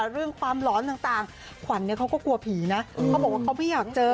เรื่องความร้อนต่างขวัญเขาก็กลัวผีนะเขาบอกว่าเขาไม่อยากเจอ